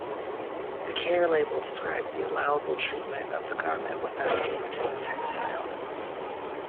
The care label describes the allowable treatment of the garment without damaging the textile.